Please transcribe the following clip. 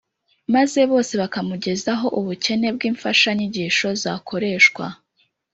maze bose bakamugezaho ubukene bw’imfasha-nyigisho zakoreshwa